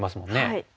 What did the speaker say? はい。